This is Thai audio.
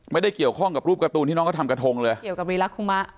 ไม่ได้เกี่ยวข้องกับรูปการ์ตูนที่น้องเขาทำกระทงเลยเกี่ยวกับรีลักคุมะ